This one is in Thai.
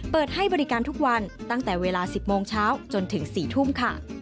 เปิดให้บริการทุกวันตั้งแต่เวลา๑๐โมงเช้าจนถึง๔ทุ่มค่ะ